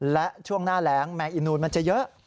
และช่วงหน้าแหลงแมงอีนูนมันจะเยอะ